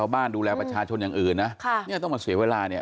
มาแล้วก็ยิงกระเป๋า